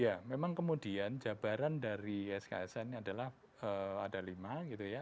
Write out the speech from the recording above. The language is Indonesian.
ya memang kemudian jabaran dari sksn adalah ada lima gitu ya